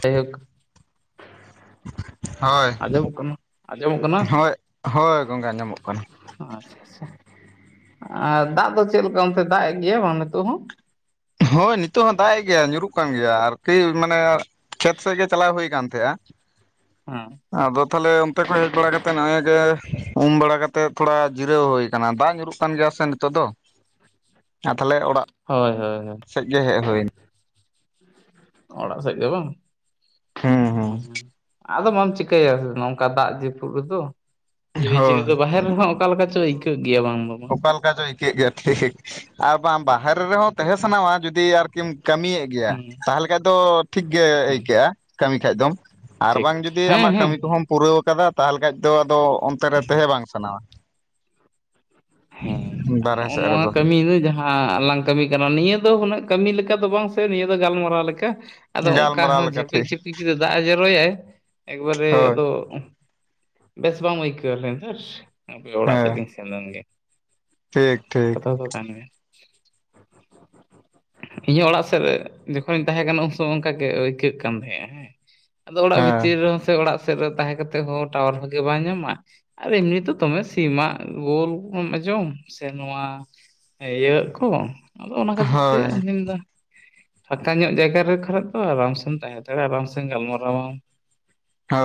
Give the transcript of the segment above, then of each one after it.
ᱡᱟᱭ ᱦᱳᱠ ᱾ ᱦᱳᱭ, ᱟᱸᱡᱚᱢᱚᱜ ᱠᱟᱱᱟ ᱦᱳᱭ ᱦᱳᱭ ᱜᱚᱢᱠᱮ ᱟᱡᱚᱢᱚᱜ ᱠᱟᱱᱟ ᱾ ᱟᱪᱪᱷᱟ ᱟᱪᱪᱷᱟ ᱟᱨ ᱫᱟᱜ ᱫᱚ ᱪᱮᱫ ᱞᱮᱠᱟ ᱚᱱᱛᱮ ᱫᱟᱜ ᱮᱫ ᱜᱮᱭᱟ ᱵᱟᱝ ᱱᱤᱛᱚᱜ ᱦᱚᱸ? ᱦᱳᱭ ᱱᱤᱛᱚᱜ ᱦᱚᱸ ᱫᱟᱜ ᱮ ᱜᱮᱭᱟ ᱧᱩᱨᱩᱜ ᱠᱟᱱ ᱜᱮᱭᱟ ᱟᱨ [unintelligible] ᱢᱟᱱᱮᱼᱼ ᱠᱷᱮᱛ ᱥᱮᱫ ᱜᱮ ᱪᱟᱞᱟᱣ ᱦᱩᱭ ᱠᱟᱱ ᱛᱟᱦᱮᱜ-ᱟ ᱾ ᱦᱮᱸ ᱟᱫᱚ ᱛᱟᱦᱚᱞᱮ ᱚᱱᱛᱮ ᱠᱷᱚᱱ ᱦᱮᱡ ᱵᱟᱲᱟ ᱠᱟᱛᱮ ᱱᱮᱜ ᱮ ᱜᱮ ᱩᱢ ᱵᱟᱲᱟ ᱠᱟᱛᱮᱜ ᱛᱷᱚᱲᱟ ᱡᱤᱨᱟᱹᱣ ᱦᱩᱭ ᱟᱠᱟᱱᱟ ᱫᱟᱜ ᱧᱩᱨᱩᱜᱼᱼ ᱠᱟᱱ ᱜᱮᱭᱟ ᱥᱮ ᱱᱤᱛᱚᱜ ᱫᱚ ᱟᱨ ᱛᱟᱦᱚᱞᱮ ᱚᱲᱟᱜᱼᱼ ᱦᱳᱭ ᱦᱳᱭ ᱦᱳᱭ ᱾ ᱥᱮᱜ ᱜᱮ ᱦᱮᱡ ᱦᱩᱭᱱᱟ ᱾ ᱚᱲᱟᱜ ᱥᱮᱜ ᱜᱮ ᱵᱟᱝ ᱦᱩᱸ ᱦᱩᱸ ᱦᱩᱸᱻ ᱾ ᱟᱫᱚ ᱢᱟᱢ ᱪᱤᱠᱟᱹᱭᱟ ᱱᱚᱝᱠᱟ ᱫᱟᱜ ᱡᱟᱹᱯᱩᱫ ᱨᱮᱫᱚ? ᱦᱳᱭ [unintelligible] ᱫᱚ ᱵᱟᱦᱮᱨ ᱨᱮᱦᱚᱸ ᱚᱠᱟ ᱞᱮᱠᱟ ᱪᱚ ᱟᱹᱭᱠᱟᱹᱜ ᱜᱮᱭᱟ ᱵᱟᱝ [unintelligible] ᱵᱟᱝ ᱾ ᱚᱠᱟ ᱞᱮᱠᱟ ᱪᱚ ᱟᱹᱭᱠᱟᱹᱜ ᱜᱮᱭᱟ ᱴᱷᱤᱠ ᱟᱨ ᱵᱟᱝ ᱵᱟᱦᱮᱨᱮ ᱨᱮᱦᱚᱸ ᱛᱟᱦᱮᱸ ᱥᱟᱱᱟᱣᱟ ᱡᱩᱫᱤ ᱟᱨᱠᱤᱢ ᱠᱟᱹᱢᱤᱭᱮᱫᱼᱼ [unintelligible] ᱜᱮᱭᱟ ᱦᱮᱸ ᱛᱟᱦᱚᱞᱮ ᱠᱷᱟᱡ ᱫᱚ ᱴᱷᱤᱠ ᱜᱮ ᱦᱮᱸ ᱟᱹᱭᱠᱟᱹᱜ-ᱟ ᱠᱟᱹᱢᱤ ᱠᱷᱟᱡ ᱫᱚᱢ ᱾ ᱟᱨ ᱴᱷᱤᱠ ᱵᱟᱝ ᱡᱩᱫᱤ ᱦᱮᱸ ᱟᱢᱟᱜ ᱦᱮᱸ ᱠᱟᱹᱢᱤ ᱠᱚᱦᱚᱢ ᱯᱩᱨᱟᱹᱣ ᱟᱠᱟᱫᱟ ᱛᱟᱦᱚᱞᱮ ᱠᱷᱟᱡ ᱫᱚ ᱟᱫᱚ ᱚᱱᱛᱮ ᱨᱮ ᱛᱟᱦᱮᱸ ᱵᱟᱝ ᱥᱟᱱᱟᱣᱟ ᱾ ᱦᱮᱸ ᱟᱨ ᱵᱟᱨᱦᱮ ᱱᱚᱜ ᱚ ᱥᱮᱫ ᱱᱚᱣᱟ ᱨᱮᱫᱚ ᱠᱟᱹᱢᱤ ᱫᱚ ᱡᱟᱦᱟᱸᱼᱼ ᱦᱟᱸ ᱞᱟᱝ ᱠᱟᱹᱢᱤ ᱠᱟᱱᱟ ᱱᱤᱭᱟᱹ ᱫᱚ ᱦᱩᱱᱟᱹᱜ ᱠᱟᱹᱢᱤ ᱞᱮᱠᱟ ᱫᱚ ᱵᱟᱝ ᱥᱮ ᱱᱤᱭᱟᱹ ᱫᱚ ᱜᱟᱞᱢᱟᱨᱟᱣ ᱞᱮᱠᱟ ᱾ ᱟᱫᱚ ᱚᱱᱠᱟ ᱜᱟᱞᱢᱟᱨᱟᱣ ᱦᱚᱸ ᱞᱮᱠᱟ ᱡᱷᱤᱯᱤᱠ ᱴᱷᱤᱠ ᱡᱷᱤᱯᱤᱠ ᱡᱩᱫᱤ ᱫᱟᱜ ᱮ ᱡᱚᱨᱚᱭᱟᱭᱼᱼ ᱮᱠᱵᱟᱨᱮ ᱦᱳᱭ ᱟᱫᱚᱼᱼ ᱵᱮᱥ ᱵᱟᱢ ᱟᱹᱭᱠᱟᱹᱣᱟ ᱞᱮᱭᱟᱢ ᱫᱷᱟᱹᱨ ᱦᱟᱯᱮ ᱚᱲᱟᱜ ᱥᱮᱫ ᱦᱮᱸ ᱜᱮᱧ ᱥᱮᱱ ᱞᱮᱱ ᱜᱮ ᱾ ᱴᱷᱤᱠ ᱴᱷᱤᱠ ᱾ [unintelligible] [unintelligible] ᱤᱧᱦᱚ ᱚᱲᱟᱜ ᱥᱮᱜ ᱨᱮ ᱡᱚᱠᱷᱚᱱᱤᱧ ᱛᱟᱦᱮᱸ ᱠᱟᱱᱟ ᱩᱱ ᱥᱳᱢᱳ ᱚᱝᱠᱟ ᱜᱮ ᱟᱹᱭᱠᱟᱹᱜ ᱠᱟᱱ ᱛᱟᱦᱮᱸᱱᱟ ᱦᱮᱸ ᱾ ᱟᱫᱚ ᱚᱲᱟᱜ ᱦᱮᱸ ᱵᱷᱤᱛᱤᱨ ᱨᱮᱦᱚᱸ ᱥᱮ ᱚᱲᱟᱜ ᱥᱮᱜ ᱨᱮ ᱛᱟᱦᱮᱸ ᱠᱟᱛᱮ ᱦᱚᱸ ᱴᱟᱣᱟᱨ ᱵᱷᱟᱜᱮ ᱵᱟᱭ ᱧᱟᱢᱟᱭ ᱟᱨ ᱮᱢᱱᱤ ᱛᱚ ᱫᱚᱢᱮ ᱥᱤᱢᱟᱜ ᱜᱳᱞ ᱮᱢ ᱟᱸᱡᱚᱢ ᱥᱮ ᱱᱚᱣᱟ ᱤᱭᱟ. ᱜ ᱠᱩ ᱟᱫᱚ ᱚᱱᱟ ᱠᱷᱟᱹᱛᱤᱨ ᱛᱮ ᱦᱳᱭ [unintelligible] ᱢᱮᱱ ᱫᱟ ᱯᱷᱟᱸᱠᱟ ᱧᱚᱜ ᱡᱟᱭᱜᱟ ᱨᱮ ᱠᱷᱟᱨᱮᱜ ᱫᱚ ᱟᱨᱟᱢ ᱥᱮᱢ ᱛᱟᱦᱮᱸ ᱫᱟᱲᱮᱭᱟᱜᱼᱟ ᱟᱨᱟᱢ ᱥᱮ ᱜᱟᱞᱢᱟᱨᱟᱣᱟᱢ᱾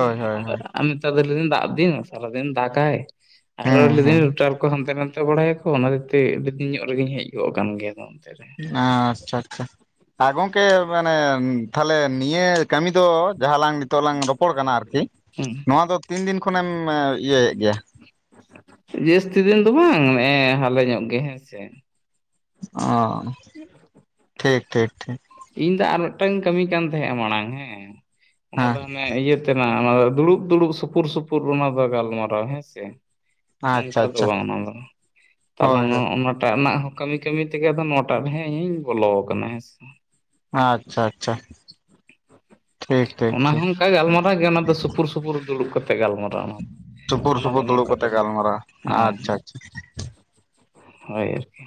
ᱦᱮᱸ ᱦᱳᱭ ᱟᱫᱚ ᱦᱳᱭ ᱟᱨ ᱱᱮᱛᱟᱨ ᱫᱚ ᱞᱟᱹᱭ ᱫᱤᱧ ᱫᱟᱜ ᱫᱤᱱ ᱥᱟᱨᱟ ᱫᱤᱱ ᱫᱟᱜᱟᱭ ᱟᱨ ᱦᱚ ᱦᱩᱸ ᱞᱟᱹᱭ ᱫᱤᱧ ᱦᱩᱸ ᱨᱳᱴᱟᱨ ᱠᱚ ᱦᱟᱱᱛᱮ ᱱᱟᱛᱮ ᱵᱟᱲᱟᱭᱟᱠᱳ ᱚᱱᱟ [unintelligible] ᱟᱹᱰᱤ ᱫᱤᱱ ᱧᱚᱜ ᱨᱮᱜᱮᱧ ᱦᱮᱡ ᱜᱚᱜ ᱟᱠᱟᱱ ᱜᱮᱭᱟ ᱚᱱᱛᱮ ᱨᱮ᱾ ᱟᱪᱪᱷᱟ ᱟᱪᱪᱷᱟ ᱾ ᱦᱟᱸ ᱜᱚᱝᱠᱮ ᱢᱟᱱᱮ ᱛᱟᱞᱮᱦᱮ ᱱᱤᱭᱟᱹ ᱠᱟᱹᱢᱤ ᱫᱚ ᱡᱟᱦᱟᱸ ᱞᱟᱝ ᱱᱤᱛᱚᱜ ᱞᱟᱝ ᱨᱚᱯᱚᱲ ᱠᱟᱱᱟ ᱟᱨ ᱠᱤ ᱦᱮᱸ ᱱᱚᱣᱟ ᱫᱚ ᱛᱤᱱ ᱫᱤᱱ ᱠᱷᱚᱱᱮᱢ ᱤᱭᱟᱹᱭᱮᱜ ᱜᱮᱭᱟ? ᱡᱟᱹᱥᱛᱤ ᱫᱤᱱ ᱫᱚ ᱵᱟᱝ ᱮᱻ ᱦᱟᱞᱮ ᱧᱚᱜ ᱜᱮ ᱦᱮᱸ ᱥᱮ ᱾ ᱚᱸ, ᱴᱷᱤᱠ ᱴᱷᱤᱠ ᱴᱷᱤᱠ ᱾ ᱤᱧ ᱫᱚ ᱟᱨ ᱢᱤᱫᱴᱟ. ᱝ ᱤᱧ ᱠᱟᱹᱢᱤ ᱠᱟᱱ ᱛᱟᱦᱮᱸᱱᱟ ᱢᱟᱲᱟᱝ ᱦᱮᱸ ᱚᱱᱟ ᱫᱚ ᱦᱟᱱᱮ ᱦᱮᱸ ᱤᱭᱟᱹ ᱛᱮᱱᱟᱜ ᱚᱱᱟ ᱫᱚ ᱫᱩᱲᱩᱵ, ᱫᱩᱲᱩᱵ, ᱥᱩᱯᱩᱨ, ᱥᱩᱯᱩᱨ ᱚᱱᱟ ᱫᱚ ᱜᱟᱞᱢᱟᱨᱟᱣ ᱦᱮᱸ ᱥᱮ ᱾ ᱟᱪᱪᱷᱟ ᱱᱚᱝᱠᱟ ᱫᱚ ᱟᱪᱪᱷᱟ ᱵᱟᱝ ᱚᱱᱟ ᱫᱚ ᱛᱟᱦᱞᱮ ᱦᱳᱭ ᱦᱳᱭ ᱱᱚᱜ-ᱱᱟᱴᱟᱜ ᱨᱮᱱᱟᱜ ᱦᱚᱸ ᱠᱟᱹᱢᱤ, ᱠᱟᱹᱢᱤ ᱛᱮᱜᱮ ᱟᱫᱚ ᱱᱚᱣᱟᱴᱟᱜ ᱨᱮᱦᱟᱜ ᱤᱧ ᱵᱚᱞᱚ ᱟᱠᱟᱱᱟ ᱦᱮᱸ ᱥᱮ ᱾ ᱟᱪᱪᱷᱟ ᱟᱪᱪᱷᱟ ᱾ ᱴᱷᱤᱠ ᱴᱷᱤᱠ ᱚᱱᱟ ᱴᱷᱤᱠ ᱦᱚᱸ ᱾ ᱚᱱᱠᱟ ᱜᱟᱞᱢᱟᱣᱟ ᱜᱮ ᱚᱱᱟ ᱫᱚ ᱥᱩᱯᱩᱨ, ᱥᱩᱯᱩᱨ ᱫᱩᱲᱩᱵ ᱠᱟᱛᱮ ᱜᱟᱞᱢᱟᱨᱟᱣ᱾ ᱚᱱᱟ ᱥᱩᱯᱩᱨ, ᱚᱱᱟ ᱫᱚ ᱥᱩᱯᱩᱨ ᱫᱩᱲᱩᱵ ᱱᱚᱝᱠᱟ ᱫᱚ ᱠᱟᱛᱮᱜ ᱜᱟᱞᱢᱟᱨᱟᱣ ᱦᱮᱸ ᱟᱪᱪᱷᱟ ᱟᱪᱪᱷᱟ᱾ ᱦᱳᱭ ᱟᱨᱠᱤ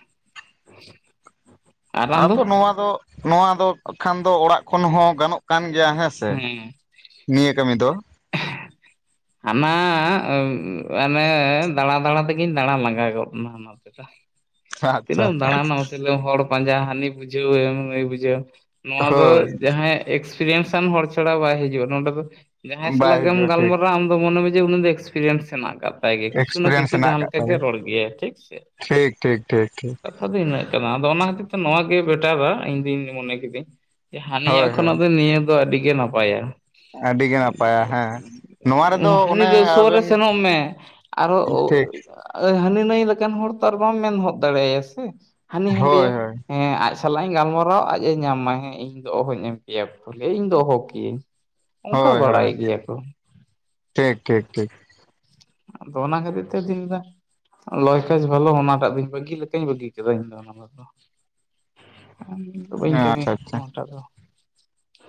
᱾ ᱟᱫᱚ ᱱᱚᱣᱟ ᱫᱚ, ᱱᱚᱣᱟ ᱫᱚ, ᱠᱷᱟᱱ ᱫᱚ ᱚᱲᱟᱜ ᱠᱷᱚᱱ ᱦᱚᱸ ᱜᱟᱱᱚᱜ ᱠᱟᱱ ᱜᱮᱭᱟ ᱦᱮᱸ ᱥᱮ ᱱᱤᱭᱟᱹ ᱠᱟᱹᱢᱤ ᱫᱚ᱾ ᱦᱟᱱᱟ [unintelligible] ᱦᱟᱱᱮ ᱫᱟᱬᱟ, ᱫᱟᱬᱟ ᱛᱮᱜᱤᱧ ᱫᱟᱬᱟ ᱞᱟᱸᱜᱟᱣ ᱜᱚᱫ ᱱᱟ ᱦᱟᱱᱟ ᱫᱚ᱾ [unintelligible] ᱟᱪᱪᱷᱟ ᱛᱤᱱᱟᱹᱜ ᱮᱢ ᱫᱟᱬᱟᱱᱟ ᱢᱟᱥᱮ ᱞᱟᱹᱭ ᱢᱮ ᱦᱚᱲ ᱯᱟᱸᱡᱟ ᱦᱟᱱᱤ ᱵᱩᱡᱷᱟᱹᱣ ᱮᱢ, ᱱᱩᱭ ᱵᱩᱡᱷᱟᱹᱣ ᱮᱢ ᱱᱚᱣᱟ ᱫᱚ ᱦᱳᱭ ᱡᱟᱦᱟᱸᱭ ᱮᱠᱥᱯᱤᱨᱤᱭᱮᱱᱥ ᱥᱟᱱ ᱦᱚᱲ ᱪᱷᱟᱲᱟ ᱵᱟᱭ ᱦᱤᱡᱩᱜ ᱟᱭ ᱱᱚᱸᱰᱮ ᱫᱚ᱾ ᱡᱟᱦᱟᱸᱭ ᱵᱟᱭ ᱥᱟᱞᱟᱜ ᱜᱮᱢ ᱦᱤᱡᱩᱜᱼᱟ ᱴᱷᱤᱠ ᱜᱟᱞᱢᱟᱨᱟᱣᱟ ᱟᱢ ᱫᱚ ᱢᱚᱱᱮ ᱢᱮ ᱡᱮ ᱩᱱᱤ ᱫᱚ ᱮᱠᱥᱯᱮᱨᱤᱭᱮᱱᱥ ᱦᱮᱱᱟᱜ ᱟᱠᱟᱫ ᱛᱟᱭ ᱜᱮ ᱠᱤᱪᱷᱩ, ᱱᱟ ᱮᱠᱥᱯᱮᱨᱤᱭᱮᱱᱥ ᱠᱤᱪᱷᱩ ᱦᱮᱱᱟᱜ ᱡᱟᱦᱟᱸ ᱟᱠᱟᱫ ᱞᱮᱠᱟ ᱜᱮ ᱛᱟᱵᱤᱱᱟ ᱨᱚᱲ ᱜᱮᱭᱟᱭ ᱴᱷᱤᱠ ᱥᱮ ᱴᱷᱤᱠ ᱴᱷᱤᱠ ᱴᱷᱤᱠ ᱴᱷᱤᱠ ᱠᱟᱛᱷᱟ ᱫᱚ ᱤᱱᱟᱹᱜ ᱠᱟᱱᱟ ᱟᱫᱚ ᱚᱱᱟ ᱦᱚᱛᱮ ᱛᱮ ᱱᱚᱣᱟ ᱜᱮ ᱵᱮᱴᱟᱨᱨᱟ ᱤᱧ [unintelligible] ᱫᱩᱧ ᱢᱚᱱᱮ ᱠᱤᱫᱟᱹᱧ ᱡᱮ ᱦᱳᱭ ᱦᱟᱱᱤᱟᱜ ᱦᱳᱭ ᱱᱤᱭᱟᱹ ᱫᱚ ᱟᱹᱰᱤ ᱜᱮ ᱱᱟᱯᱟᱭᱟ᱾ ᱟᱹᱰᱤᱜᱮ ᱱᱟᱯᱟᱭᱟ ᱦᱮᱸ ᱱᱚᱣᱟ ᱨᱮᱫᱚ [unintelligible] ᱦᱟᱹᱱᱤ ᱚᱱᱮ ᱫᱚ ᱥᱳᱨ ᱨᱮ ᱟᱵᱮᱱ ᱥᱮᱱᱚᱜ ᱢᱮ᱾ ᱟᱨᱚ ᱳᱜ ᱴᱷᱤᱠ ᱟᱫᱚ ᱦᱟᱹᱱᱤ ᱱᱟᱹᱭ ᱞᱮᱠᱟᱱ ᱦᱚᱲ ᱛᱚ ᱟᱨ ᱵᱟᱢ ᱢᱮᱱᱦᱚᱫ ᱫᱟᱲᱮᱭᱟᱭᱟ ᱥᱮ ᱦᱟᱹᱱᱤ ᱦᱟᱭ ᱞᱟᱹᱭ ᱦᱳᱭ ᱟᱭ ᱦᱳᱭ ᱦᱮᱸ ᱟᱡ ᱥᱟᱞᱟᱜ ᱤᱧ ᱜᱟᱞᱢᱟᱨᱟᱣᱟ ᱟᱡ ᱮ ᱧᱟᱢᱟᱭ ᱦᱮᱸ ᱤᱧ ᱫᱚ ᱚᱦᱚᱧ ᱮᱢ ᱠᱮ ᱭᱟ ᱯᱚᱞᱮ ᱤᱧ ᱫᱚ ᱚᱦᱚᱠᱤᱭᱟᱹᱧ᱾ ᱚᱝᱠᱟ ᱦᱳᱭ ᱦᱳᱭ ᱵᱟᱲᱟᱭ ᱜᱮᱭᱟ ᱠᱩ᱾ ᱴᱷᱤᱠ ᱴᱷᱤᱠ ᱴᱷᱤᱠ ᱟᱫᱚ ᱚᱱᱟ ᱠᱷᱟᱹᱛᱤᱨ ᱛᱮ ᱟᱫᱤᱧ ᱞᱟᱹᱭ ᱫᱟ ᱞᱚᱭ ᱠᱟᱡᱽ ᱵᱷᱟᱞᱚ ᱚᱱᱟᱴᱟᱜ ᱫᱩᱧ ᱵᱟᱹᱜᱤ ᱞᱮᱠᱟᱧ ᱵᱟᱹᱜᱤ ᱠᱮᱫᱟ ᱤᱧ ᱫᱚ ᱚᱱᱟ ᱫᱚ ᱾ [unintelligible] ᱵᱟᱹᱧ ᱠᱟᱹᱢᱤᱭᱟ. ᱟᱪᱪᱷᱟ ᱟᱪᱪᱷᱟ ᱱᱳᱣᱟᱴᱟᱜ ᱫᱚ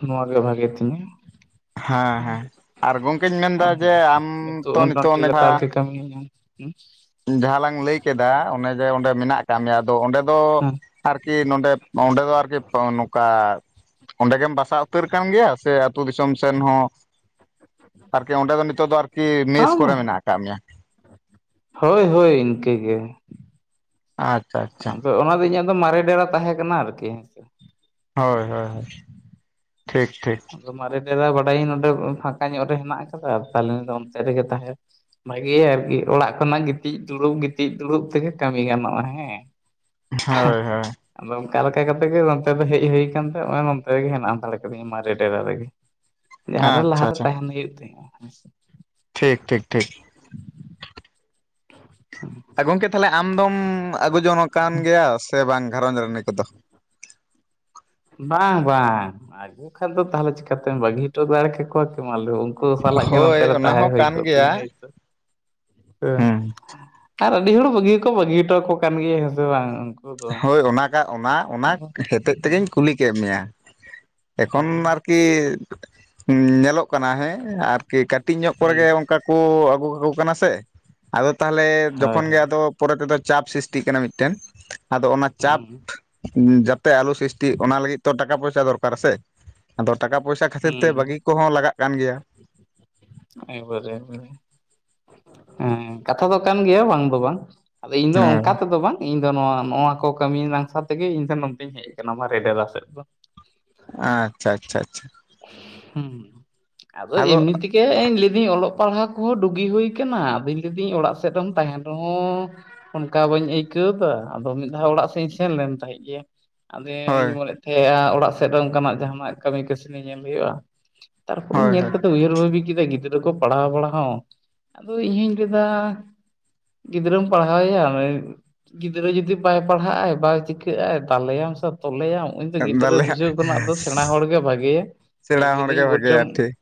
ᱱᱚᱣᱟ ᱜᱮ ᱵᱷᱟᱜᱮ ᱛᱤᱧᱟᱹ ᱦᱮᱸ ᱦᱩᱸ ᱦᱮᱸ ᱟᱨ ᱜᱚᱝᱠᱮᱧ ᱢᱮᱱᱫᱟ ᱟᱫᱚ ᱡᱮ ᱟᱢ ᱱᱤᱛᱳᱜ ᱛᱚ ᱢᱚᱴᱟ ᱱᱤᱛᱚᱜ ᱢᱩᱴᱤ ᱚᱱᱮ ᱞᱮᱛᱟᱲ ᱡᱟᱦᱟᱸ ᱜᱮ ᱠᱟ ᱠᱟᱹᱢᱤ ᱧᱟᱢ ᱦᱩᱸ ᱡᱟᱦᱟᱸ ᱞᱟᱝ ᱞᱟᱹᱭ ᱠᱮᱫᱟ ᱚᱱᱮ ᱡᱮ ᱚᱸᱰᱮ ᱢᱮᱱᱟᱜ ᱟᱠᱟᱜ ᱢᱮᱭᱟ ᱟᱫᱚ ᱚᱸᱰᱮ ᱫᱚ ᱟᱨᱠᱤ ᱱᱚᱰᱮᱯ ᱚᱸᱰᱮ ᱫᱚ ᱟᱨᱠᱤ ᱱᱚᱝᱠᱟ ᱚᱸᱰᱮ ᱜᱮᱢ ᱵᱟᱥᱟ ᱩ ᱛᱟᱹᱨ ᱠᱟᱱ ᱜᱮᱭᱟ ᱥᱮ ᱟᱹᱛᱩ ᱫᱤᱥᱚᱢ ᱥᱮᱱ ᱦᱚᱸ ᱟᱨᱠᱤ ᱚᱸᱰᱮ ᱫᱚ ᱱᱤᱛᱳᱜ ᱫᱚ ᱟᱨᱠᱤ ᱢᱮᱥ ᱠᱚᱨᱮ ᱦᱮᱸ ᱢᱮᱱᱟᱜ ᱟᱠᱟᱜ ᱢᱮᱭᱟ? ᱦᱳᱭ ᱦᱳᱭ ᱤᱱᱠᱟᱹ ᱜᱮ ᱟᱪᱪᱷᱟ ᱟᱪᱪᱷᱟ ᱟᱫᱚ ᱚᱱᱟ ᱫᱚ ᱤᱧᱟᱹᱜ ᱫᱚ ᱢᱟᱨᱮ ᱰᱮᱨᱟ ᱛᱟᱦᱮᱸ ᱠᱟᱱᱟ ᱟᱨᱠᱤ ᱦᱳᱭ ᱦᱳᱭ ᱦᱳᱭ ᱴᱷᱤᱠ ᱴᱷᱤᱠ ᱟᱫᱚ ᱢᱟᱨᱮ ᱰᱮᱨᱟ ᱵᱟᱰᱟᱭᱟᱹᱧ ᱱᱚᱰᱮ ᱯᱷᱟᱸᱠᱟ ᱧᱚᱜ ᱨᱮ ᱦᱮᱱᱟᱜ ᱟᱠᱟᱫᱟ ᱛᱟᱦᱚᱞᱮᱧ ᱞᱟᱹᱭ ᱮᱫᱟ ᱚᱱᱛᱮ ᱨᱮᱜᱮ ᱛᱟᱦᱮᱸ ᱵᱷᱟᱜᱮ ᱟᱨᱠᱤ ᱚᱲᱟᱜ ᱠᱷᱚᱱᱟᱜ ᱜᱤᱛᱤᱡ ᱫᱩᱲᱩᱵ ᱜᱤᱛᱤᱡ ᱫᱩᱲᱩᱵ ᱛᱮᱜᱮ ᱠᱟᱹᱢᱤ ᱜᱟᱱᱚᱜᱼᱟ ᱦᱮᱸ ᱦᱳᱭ ᱦᱳᱭ ᱟᱫᱚ ᱚᱱᱠᱟ ᱞᱮᱠᱟ ᱠᱟᱛᱮᱜ ᱜᱮ ᱱᱚᱛᱮ ᱫᱚ ᱦᱮᱡ ᱦᱩᱭ ᱟᱠᱛᱮ ᱱᱚᱛᱮ ᱨᱮᱜ ᱦᱮᱱᱟᱜ ᱫᱟᱲᱮ ᱠᱟᱹᱫᱤᱧᱟ ᱢᱟᱨᱮ ᱰᱮᱨᱟ ᱨᱮᱜᱮ ᱡᱟᱦᱟᱸᱨᱮ ᱟᱪᱪᱷᱟ ᱞᱟᱦᱟᱨᱮ ᱟᱪᱪᱷᱟ ᱛᱟᱦᱮᱱ ᱦᱩᱭᱩᱜ ᱛᱟᱦᱮᱜ-ᱟ ᱦᱮᱸᱥᱮ ᱴᱷᱤᱠ ᱴᱷᱤᱠ ᱴᱷᱤᱠ [inaudible] ᱦᱮᱸ ᱜᱚᱢᱠᱮ ᱛᱟᱦᱚᱞᱮ ᱟᱢ ᱫᱚᱢ ᱟᱹᱜᱩ ᱡᱚᱝ ᱟᱠᱟᱱ ᱜᱮᱭᱟ ᱥᱮ ᱵᱟᱝ ᱜᱷᱟᱨᱚᱸᱡᱽ ᱨᱟᱹᱱᱤ ᱠᱚᱫᱚ ᱵᱟᱝ ᱵᱟᱝ ᱟᱹᱜᱩ ᱠᱷᱟᱱ ᱫᱚ ᱛᱟᱦᱚᱞᱮ ᱪᱤᱠᱟᱹᱛᱮᱢ ᱵᱟᱹᱜᱤ ᱦᱚᱴᱚ ᱫᱟᱲᱮ ᱠᱮᱠᱚᱣᱟ ᱠᱤ ᱢᱟ ᱞᱟᱹᱭᱢᱮ ᱩᱱᱠᱩ ᱥᱟᱞᱟᱜ ᱜᱮ ᱱᱚᱛᱮ ᱦᱳᱭ ᱨᱮ ᱚᱱᱟ ᱛᱟᱦᱮᱸ ᱦᱚᱸ ᱦᱩᱭ ᱠᱟᱱ ᱠᱚᱜ ᱛᱤᱧᱟᱹ ᱜᱮᱭᱟ ᱦᱳᱭᱛᱚ ᱦᱮᱸ ᱦᱩᱸ ᱟᱨ ᱟᱹᱰᱤ ᱦᱚᱲ ᱵᱟᱹᱜᱤ ᱦᱚᱠᱚ ᱵᱟᱹᱜᱤ ᱦᱚᱴᱚ ᱟᱠᱚ ᱠᱟᱱ ᱜᱮᱭᱟ ᱦᱮᱸ ᱥᱮ ᱵᱟᱝ ᱫᱚ ᱦᱳᱭ ᱚᱱᱟ ᱠᱟᱜ ᱚᱱᱟ ᱚᱱᱟ ᱟᱫᱚ ᱦᱚᱛᱮᱫ ᱛᱮᱜᱤᱧ ᱠᱩᱞᱤ ᱠᱮᱫ ᱢᱮᱭᱟ ᱮᱠᱷᱚᱱ ᱟᱨᱠᱤ ᱠᱤ ᱧᱮᱞᱚᱜ ᱠᱟᱱᱟ ᱦᱮᱸ ᱟᱨᱠᱤ ᱠᱟᱹᱴᱤᱡ ᱧᱚᱜ ᱠᱚᱨᱮ ᱦᱳᱭ ᱜᱮ ᱚᱱᱠᱟ ᱠᱚ ᱟᱹᱜᱩ ᱠᱟᱠᱚ ᱠᱟᱱᱟ ᱥᱮ ᱟᱫᱚ ᱛᱟᱦᱚᱞᱮ ᱡᱚᱠᱷᱚᱱ ᱜᱮ ᱦᱳᱭ ᱟᱫᱚ ᱯᱚᱨᱮ ᱛᱮᱫᱚ ᱪᱟᱯ ᱥᱤᱥᱴᱤᱜ ᱠᱟᱱᱟ ᱢᱤᱫᱴᱮᱱ ᱟᱫᱚ ᱚᱱᱟ ᱪᱟᱯ ᱡᱟᱛᱮ ᱟᱹᱞᱩ ᱥᱤᱥᱴᱤᱜ ᱚᱱᱟ ᱞᱟᱹᱜᱤᱫ ᱛᱚ ᱴᱟᱠᱟ ᱯᱚᱭᱥᱟ ᱫᱚᱨᱠᱟᱨ ᱥᱮ ᱟᱫᱚ ᱴᱟᱠᱟ ᱯᱚᱭᱥᱟ ᱠᱷᱟᱹᱛᱤᱨ ᱛᱮ ᱦᱩᱸ ᱵᱟᱹᱜᱤ ᱠᱚᱦᱚᱸ ᱞᱟᱜᱟᱜ ᱠᱟᱱ ᱜᱮᱭᱟ ᱮᱠᱵᱟᱨᱮ ᱮᱠᱵᱟᱨᱮ ᱦᱮᱸ ᱠᱟᱛᱷᱟ ᱫᱚ ᱠᱟᱱ ᱜᱮᱭᱟ ᱵᱟᱝ ᱫᱚ ᱵᱟᱝ ᱟᱫᱚ ᱤᱧ ᱫᱚ ᱦᱮᱸ ᱚᱱᱠᱟ ᱛᱮᱫᱚ ᱵᱟᱝ ᱤᱧ ᱫᱚ ᱱᱚᱣᱟ ᱱᱚᱣᱟ ᱠᱚ ᱠᱟᱹᱢᱤ ᱱᱟᱝᱥᱟ ᱛᱮᱜᱮ ᱤᱧ ᱫᱚ ᱱᱚᱛᱮᱧ ᱦᱮᱡ ᱟᱠᱟᱱᱟ ᱢᱟᱨᱮ ᱰᱮᱨᱟ ᱥᱮᱫ ᱫᱚ ᱟᱪᱪᱷᱟ ᱟᱪᱪᱷᱟ ᱟᱪᱪᱷᱟ ᱦᱩᱸ ᱟᱫᱚ ᱮᱢᱱᱤ ᱛᱮᱜᱮ ᱤᱧ ᱞᱟᱹᱭᱫᱟᱹᱧ ᱚᱞᱚᱜ ᱯᱟᱲᱦᱟᱣ ᱠᱚᱦᱚᱸ ᱰᱩᱜᱤ ᱦᱩᱭ ᱠᱟᱱᱟ ᱟᱫᱚ ᱞᱟᱹᱭᱤᱫᱟᱹᱧ ᱚᱲᱟᱜ ᱥᱮᱫ ᱨᱮᱢ ᱛᱟᱦᱮᱱ ᱨᱮᱦᱚᱸ ᱚᱱᱠᱟ ᱵᱟᱹᱧ ᱟᱹᱭᱠᱟᱹᱣ ᱮᱫᱟ ᱟᱫᱚ ᱢᱤᱫ ᱫᱷᱟᱣ ᱚᱲᱟᱜ ᱥᱮᱫ ᱤᱧ ᱥᱮᱱ ᱞᱮᱱ ᱛᱟᱦᱮᱸᱫ ᱜᱮᱭᱟ ᱟᱫᱚᱧ ᱦᱳᱭ ᱢᱚᱱᱮᱭᱮᱫ ᱛᱟᱦᱮᱸᱫᱼᱟ ᱚᱲᱟᱜ ᱥᱮᱫ ᱨᱮ ᱚᱱᱠᱟᱱᱟᱜ ᱡᱟᱦᱟᱱᱟᱜ ᱠᱟᱹᱢᱤ ᱠᱟᱹᱥᱱᱤ ᱧᱮᱞ ᱦᱩᱭᱩᱜᱼᱟ ᱛᱟᱨᱯᱚᱨᱮ ᱦᱳᱭ ᱧᱮᱞ ᱦᱳᱭ ᱩᱭᱦᱟᱹᱨ ᱵᱷᱟᱵᱤ ᱠᱮᱫᱟ ᱜᱤᱫᱽᱨᱟᱹ ᱠᱚ ᱯᱟᱲᱦᱟᱣ ᱵᱟᱲᱟ ᱦᱚᱸ ᱟᱫᱚ ᱤᱧᱦᱚᱧ ᱞᱟᱹᱭ ᱮᱫᱟ ᱜᱤᱫᱽᱨᱟᱹᱢ ᱯᱟᱲᱦᱟᱣ ᱮᱭᱟ ᱱᱟᱹᱭ ᱜᱤᱫᱽᱨᱟᱹ ᱡᱩᱫᱤ ᱵᱟᱭ ᱯᱟᱲᱦᱟᱜ ᱟᱭ ᱵᱟᱭ ᱪᱤᱠᱟᱹᱜᱼᱟ ᱫᱟᱞᱮᱭᱟᱢ ᱥᱮ ᱛᱚᱞᱮᱭᱟᱢ? ᱜᱤᱫᱽᱨᱟᱹ ᱫᱟᱞᱮ ᱵᱩᱡᱷᱟᱹᱣ ᱠᱷᱚᱱᱟᱜ ᱫᱚ ᱥᱮᱬᱟ ᱦᱚᱲᱜᱮ ᱵᱷᱟᱜᱮᱭᱟ ᱥᱮᱬᱟ ᱤᱧ ᱦᱚᱲ ᱜᱮ ᱞᱤᱭᱫᱟᱹᱧ ᱵᱚᱨᱪᱚᱢ ᱵᱷᱟᱜᱮᱭᱟ ᱴᱷᱤᱠ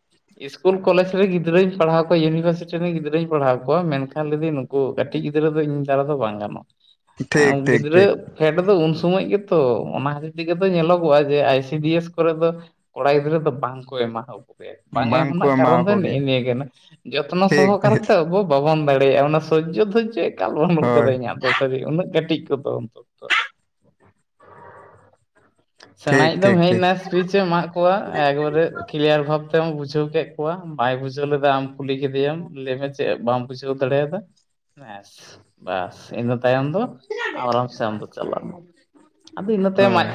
ᱤᱥᱠᱩᱞ ᱠᱚᱞᱮᱡᱽ ᱨᱮᱱ ᱜᱤᱫᱽᱨᱟᱹᱧ ᱯᱟᱲᱦᱟᱣ ᱠᱚᱣᱟ ᱤᱭᱩᱱᱤᱵᱷᱟᱨᱥᱤᱴᱤ ᱨᱮᱱ ᱜᱤᱫᱽᱨᱟᱹᱧ ᱯᱟᱲᱦᱟᱣ ᱠᱚᱣᱟ ᱢᱮᱱᱠᱷᱟᱱ ᱞᱟᱹᱭ ᱫᱟᱹᱧ ᱱᱩᱠᱩ ᱩᱱᱠᱩ ᱠᱟᱹᱴᱤᱡ ᱜᱤᱫᱽᱨᱟᱹ ᱫᱚ ᱤᱧ ᱫᱟᱨᱟ ᱫᱚ ᱵᱟᱝ ᱜᱟᱱᱚᱜᱼᱟ ᱴᱷᱤᱠ ᱴᱷᱤᱠ ᱜᱤᱫᱽᱨᱟᱹ ᱴᱷᱤᱠ ᱯᱷᱮᱰ ᱫᱚ ᱩᱱ ᱥᱚᱢᱚᱭ ᱜᱮᱛᱚ ᱚᱱᱟ ᱠᱷᱟᱛᱤᱨ ᱛᱮᱜᱮ ᱛᱚ ᱧᱮᱞᱚᱜᱚᱜᱼᱟ ᱡᱮ ᱟᱭ ᱥᱤ ᱰᱤ ᱮᱥ ᱠᱚᱨᱮ ᱫᱚ ᱠᱚᱲᱟ ᱜᱤᱫᱽᱨᱟᱹ ᱫᱚ ᱵᱟᱝ ᱠᱚ ᱮᱢᱟ ᱟᱠᱚᱣᱟ ᱵᱟᱝ ᱮᱢ ᱵᱟᱝᱠᱚ ᱨᱮᱱᱟᱜ ᱮᱢᱟ ᱠᱟᱨᱚᱱ ᱫᱚ ᱠᱚ ᱜᱮ ᱱᱮᱜᱼᱮ ᱱᱤᱭᱟᱹᱜᱮ ᱡᱚᱛᱱᱚ ᱴᱷᱤᱠ ᱥᱚᱦᱚ ᱴᱷᱤᱠ ᱠᱟᱨᱛᱮ ᱟᱵᱚ ᱵᱟᱵᱚᱱ ᱫᱟᱲᱮᱭᱟᱜᱼᱟ ᱚᱱᱟ ᱥᱚᱡᱽᱡᱳ ᱫᱷᱚᱨᱡᱳ ᱮᱠᱟᱞ ᱵᱟᱹᱱᱩᱜ ᱦᱳᱭ ᱟᱠᱟᱫᱟ ᱤᱧᱟᱹᱜ ᱫᱚ ᱥᱟᱹᱨᱤ ᱩᱱᱟᱹᱜ ᱠᱟᱹᱴᱤᱡ ᱠᱚ ᱚᱱᱛᱚ ᱛᱚ ᱴᱷᱤᱠ ᱥᱮᱬᱟᱭᱤᱪ ᱫᱚᱢ ᱴᱷᱤᱠ ᱦᱮᱡ ᱴᱷᱤᱠ ᱮᱱᱟ ᱥᱯᱤᱪ ᱮᱢ ᱮᱢᱟᱜ ᱠᱚᱣᱟ ᱮᱠᱵᱟᱨᱮ ᱠᱞᱤᱭᱟᱨ ᱵᱷᱟᱵ ᱛᱮᱢ ᱵᱩᱡᱷᱟᱹᱣ ᱠᱮᱫ ᱠᱚᱣᱟ ᱵᱟᱭ ᱵᱩᱡᱷᱟᱹᱣ ᱞᱮᱫᱟ ᱟᱢ ᱠᱩᱞᱤ ᱠᱮᱫᱮᱭᱟᱢ ᱞᱟᱹᱭᱢᱮ ᱪᱮᱫ ᱵᱟᱢ ᱵᱩᱡᱷᱟᱹᱣ ᱫᱟᱲᱮᱭᱟᱫᱟ ᱦᱮᱸ ᱵᱟᱥ ᱤᱱᱟᱹ ᱛᱟᱭᱚᱢ ᱫᱚ ᱟᱨᱟᱢ ᱥᱮ ᱟᱢ ᱫᱚ ᱪᱟᱞᱟᱜ ᱢᱮ ᱟᱫᱚ ᱤᱱᱟᱹ ᱛᱟᱭᱚᱢ ᱦᱳᱭ ᱟᱡ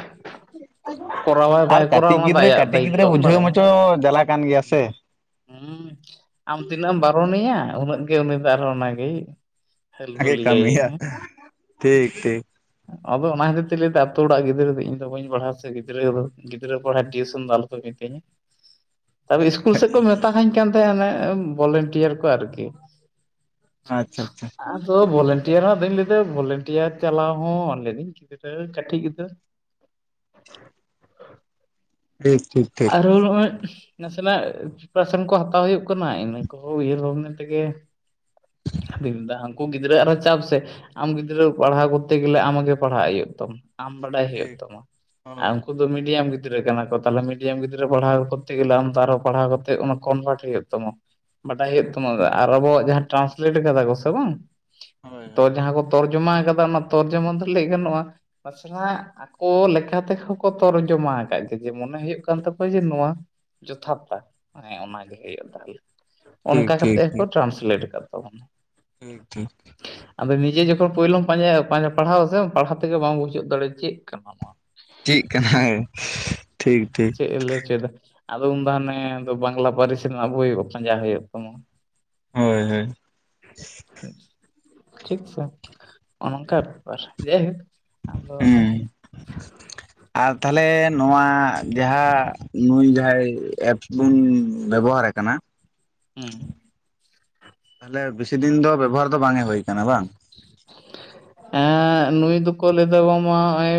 ᱠᱚᱨᱟᱣ ᱟᱭ ᱟᱨ ᱵᱟᱭ ᱠᱚᱨᱟᱣᱟ ᱠᱟᱹᱴᱤᱡ ᱚᱱᱟ ᱫᱚ ᱟᱭᱟᱜ ᱠᱟᱹᱴᱤᱡ ᱜᱤᱫᱽᱨᱟᱹ ᱫᱟᱭᱤᱛᱛᱚ ᱟᱢ ᱵᱩᱡᱷᱟᱹᱣ ᱵᱟᱲᱟᱭᱟᱢ ᱢᱟᱪᱚ ᱡᱟᱞᱟ ᱠᱟᱱ ᱜᱮᱭᱟ ᱥᱮ ᱦᱩᱸ ᱟᱢ ᱛᱤᱱᱟᱹᱜ ᱮᱢ ᱵᱟᱨᱚᱱ ᱮᱭᱟ ᱩᱱᱟᱹᱜ ᱜᱮ ᱩᱱᱤ ᱫᱚ ᱟᱨᱦᱚᱸ ᱚᱱᱟᱜᱮᱭ ᱚᱱᱟᱜᱮ ᱠᱟᱹᱢᱤᱭᱟ ᱦᱟᱹᱞᱵᱟᱹᱞᱤᱭᱟᱭᱟ ᱴᱷᱤᱠ ᱴᱷᱤᱠ ᱟᱫᱚ ᱚᱱᱟ ᱠᱷᱟᱸᱛᱤᱨ ᱛᱮ ᱞᱟᱹᱭ ᱮᱫᱟ ᱟᱛᱳ ᱚᱲᱟᱜ ᱜᱤᱫᱽᱨᱟᱹ ᱫᱚ ᱤᱧ ᱫᱚ ᱵᱟᱹᱧ ᱯᱟᱲᱦᱟᱣᱟ ᱥᱮ ᱜᱤᱫᱽᱨᱟᱹ ᱫᱚ ᱜᱤᱫᱽᱟᱹ ᱯᱟᱲᱦᱟᱣ ᱴᱤᱭᱩᱥᱚᱱ ᱫᱚ ᱟᱞᱚᱯᱮ ᱢᱤᱛᱟᱹᱧᱟ ᱛᱚᱵᱮ ᱤᱥᱠᱩᱞ ᱥᱮᱫ ᱠᱚ ᱢᱮᱛᱟ ᱦᱟᱧ ᱛᱟᱦᱮᱸᱱᱟ ᱵᱷᱚᱞᱮᱱᱴᱤᱭᱟᱨ ᱠᱚ ᱟᱨᱠᱤ ᱟᱪᱪᱷᱟ ᱟᱪᱪᱷᱟ ᱫᱚ ᱵᱷᱚᱞᱮᱱᱴᱤᱭᱟᱨ ᱦᱚ ᱟᱫᱚᱧ ᱞᱟᱹᱭᱟ ᱵᱷᱚᱞᱮᱱᱴᱤᱭᱟᱨ ᱪᱟᱞᱟᱣ ᱦᱚᱸ ᱞᱟᱹᱭᱮᱫᱟᱹᱧ ᱜᱤᱫᱽᱨᱟᱹ ᱠᱟᱹᱴᱤᱡ ᱜᱤᱫᱽᱨᱟᱹ ᱴᱷᱤᱠ ᱴᱷᱤᱠ ᱟᱨ ᱱᱚᱜᱼᱚᱭ ᱱᱟᱥᱮᱱᱟᱜ ᱯᱨᱤᱯᱟᱨᱮᱥᱚᱱ ᱠᱚ ᱦᱟᱛᱟᱣ ᱦᱩᱭᱩᱜ ᱠᱟᱱᱟ ᱤᱱᱟᱹ ᱠᱚᱦᱚᱸ ᱩᱭᱦᱟᱹᱨ ᱦᱚᱸ ᱵᱷᱟᱵᱽᱱᱟ ᱛᱮᱜᱮ ᱟᱫᱚᱧ ᱢᱮᱱ ᱫᱟ ᱩᱱᱠᱩ ᱜᱤᱫᱽᱨᱟᱹ ᱟᱨᱦᱚ ᱪᱟᱯ ᱥᱮ ᱟᱢ ᱜᱤᱫᱽᱨᱟᱹ ᱯᱟᱲᱦᱟᱣ ᱠᱚᱨᱛᱮ ᱜᱮᱞᱮ ᱟᱢ ᱟᱜᱮ ᱯᱟᱲᱦᱟᱜ ᱦᱩᱭᱩᱜ ᱛᱟᱢᱟ ᱟᱢ ᱵᱟᱰᱟᱭ ᱦᱩᱭᱩᱜ ᱴᱷᱤᱠ ᱛᱟᱢᱟ ᱟᱨ ᱦᱳᱭ ᱩᱱᱠᱩ ᱫᱚ ᱢᱤᱰᱤᱭᱟᱢ ᱜᱤᱫᱽᱨᱟᱹ ᱠᱟᱱᱟ ᱠᱚ ᱛᱟᱦᱚᱞᱮ ᱢᱤᱰᱤᱭᱟᱢ ᱜᱤᱫᱽᱨᱟᱹ ᱯᱟᱲᱦᱟᱣ ᱠᱚᱨᱛᱮ ᱜᱮᱞᱮ ᱟᱢᱦᱚᱸ ᱯᱟᱲᱦᱟᱣ ᱠᱟᱛᱮ ᱠᱚᱱᱵᱷᱟᱨᱴ ᱦᱩᱭᱩᱜ ᱛᱟᱢᱟ ᱵᱟᱰᱟᱭ ᱦᱩᱭᱩᱜ ᱛᱟᱢᱟ ᱟᱨ ᱟᱵᱚᱣᱟᱜ ᱡᱟᱦᱟᱸ ᱴᱨᱟᱱᱥᱞᱮᱴ ᱠᱟᱫᱟ ᱠᱚ ᱥᱮ ᱵᱟᱝ ᱦᱳᱭ ᱛᱚ ᱦᱳᱭ ᱡᱟᱦᱟᱸ ᱠᱚ ᱛᱚᱨᱡᱚᱢᱟ ᱟᱠᱟᱫᱟ ᱚᱱᱟ ᱛᱚᱨᱡᱚᱢᱟ ᱫᱚ ᱞᱟᱹᱭ ᱜᱟᱱᱚᱜᱼᱟ ᱱᱟᱥᱮᱱᱟᱜ ᱟᱠᱚ ᱞᱮᱠᱟ ᱛᱮᱦᱚᱸ ᱠᱚ ᱛᱚᱨᱡᱚᱢᱟ ᱟᱠᱟᱫ ᱜᱮ ᱡᱮ ᱢᱚᱱᱮ ᱦᱩᱭᱩᱜ ᱠᱟᱱᱟ ᱦᱩᱭᱩᱜ ᱠᱟᱱ ᱛᱟᱠᱚᱣᱟ ᱡᱮ ᱱᱚᱣᱟ ᱡᱚᱛᱷᱟᱛᱟ ᱦᱮᱸ ᱚᱱᱟᱜᱮ ᱦᱩᱭᱩᱜᱼᱟ ᱛᱟᱦᱞᱮ ᱴᱷᱤᱠ ᱚᱱᱠᱟ ᱠᱟᱛᱮᱫ ᱴᱷᱤᱠ ᱦᱚᱸᱠᱚ ᱴᱷᱤᱠ ᱴᱨᱟᱱᱥᱞᱮᱴ ᱟᱠᱟᱫ ᱛᱟᱵᱚᱱᱟ ᱴᱷᱤᱠ ᱴᱷᱤᱠ ᱟᱫᱚ ᱱᱤᱡᱮ ᱡᱚᱠᱷᱚᱱ ᱯᱳᱭᱞᱳᱢ ᱯᱟᱸᱡᱟᱭᱟ ᱯᱟᱲᱦᱟᱣ ᱟ ᱥᱮ ᱯᱟᱲᱦᱟᱣ ᱛᱮᱜᱮ ᱵᱟᱢ ᱵᱩᱡᱷᱩᱜ ᱫᱟᱲᱮᱭᱟᱜᱼᱟ ᱪᱮᱫ ᱠᱟᱱᱟ ᱪᱮᱫ ᱠᱟᱱᱟ ᱪᱮᱫ ᱮ ᱞᱟᱹᱭ ᱦᱚᱪᱚ ᱮᱫᱟ? ᱟᱫᱚ ᱩᱱ ᱫᱚ ᱦᱟᱱᱮ ᱵᱟᱝᱞᱟ ᱯᱟᱹᱨᱤᱥ ᱨᱮᱱᱟᱜ ᱵᱳᱭ ᱯᱟᱸᱡᱟ ᱦᱩᱭᱩᱜ ᱛᱟᱢᱟ ᱦᱳᱭ ᱦᱳᱭ ᱴᱷᱤᱠ ᱥᱮ ᱚᱱᱼᱚᱝᱠᱟ ᱵᱮᱯᱟᱨ ᱡᱟᱭᱦᱳᱠ ᱟᱫᱚ ᱦᱮᱸ ᱟᱨ ᱛᱟᱦᱚᱞᱮ ᱱᱚᱣᱟ ᱡᱟᱦᱟᱸ ᱱᱩᱭ ᱡᱟᱦᱟᱸᱭ ᱮᱯᱥ ᱵᱚᱱ ᱵᱮᱵᱚᱦᱟᱨᱮ ᱠᱟᱱᱟ ᱦᱮᱸ ᱛᱟᱦᱞᱮ ᱵᱮᱥᱤ ᱫᱤᱱ ᱫᱚ ᱵᱮᱵᱚᱦᱟᱨ ᱫᱚ ᱵᱟᱝᱮ ᱦᱩᱭ ᱠᱟᱱᱟ ᱵᱟᱝ ᱮᱸᱻ ᱱᱩᱭ ᱫᱚᱠᱚ ᱞᱟᱹᱭ ᱫᱟ ᱵᱟᱝᱢᱟ ᱱᱚᱜᱼᱚᱭ